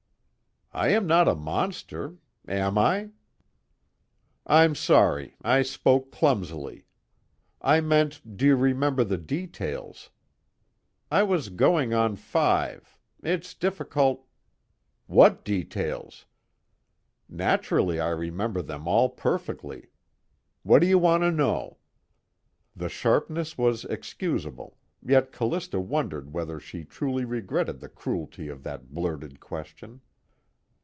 "I am not a monster. Am I?" "I'm sorry, I spoke clumsily. I meant, do you remember the details? I was going on five it's difficult " "What details? Naturally I remember them all perfectly. What do you want to know?" The sharpness was excusable; yet Callista wondered whether she truly regretted the cruelty of that blurted question.